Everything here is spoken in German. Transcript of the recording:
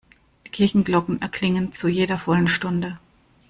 Die Kirchenglocken erklingen zu jeder vollen Stunde.